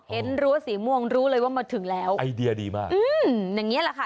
รั้วสีม่วงรู้เลยว่ามาถึงแล้วไอเดียดีมากอืมอย่างเงี้แหละค่ะ